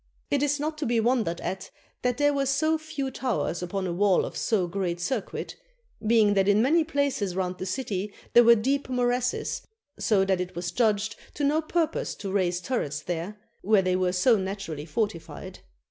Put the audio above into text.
It is not to be wondered at that there were so few towers upon a wall of so great circuit, being that in many places round the city there were deep morasses; so that it was judged to no purpose to raise turrets there, where they were so naturally fortified.